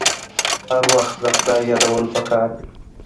هر وخت د خدای یادول پکار دي.